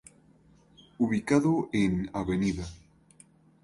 Ubicado en Av.